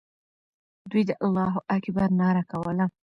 دوی د الله اکبر ناره کوله.